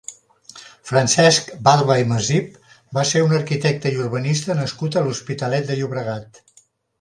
Francesc Barba i Masip va ser un arquitecte i urbanista nascut a l'Hospitalet de Llobregat.